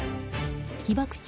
被爆地